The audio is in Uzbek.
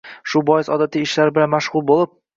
Shu bois odatiy ishlari bilan mashg‘ul bo‘lib